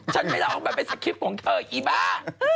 ฉันไม่เล่าออกมาเป็นสคริปของเธออีบ้า